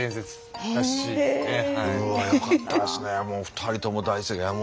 もう２人とも大正解。